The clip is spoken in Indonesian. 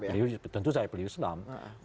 nah kalau mungkin pks bahkan lebih kekal